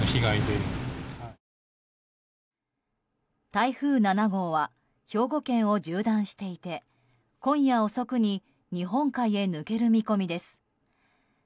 台風７号は兵庫県を縦断していて今夜遅くに日本海へ抜ける見込みです。